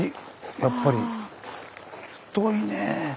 やっぱり太いね。